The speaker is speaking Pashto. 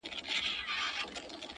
هم سپرلي او هم ګلان په ګاڼو ولي,